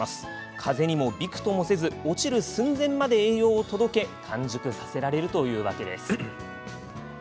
風にもびくともせず落ちる寸前まで栄養を届け完熟させられるんです。